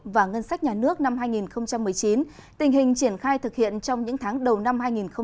và ngân sách nhà nước năm hai nghìn một mươi chín tình hình triển khai thực hiện trong những tháng đầu năm hai nghìn hai mươi